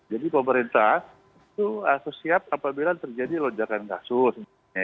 jadi pemerintah harus siap apabila terjadi lonjakan kasus